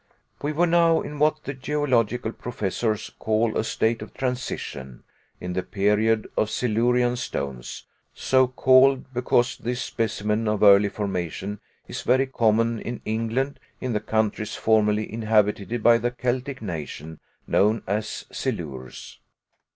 We were now in what the geological professors call a state of transition, in the period of Silurian stones, so called because this specimen of early formation is very common in England in the counties formerly inhabited by the Celtic nation known as Silures.